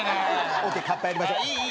ＯＫ、カッパやりましょう。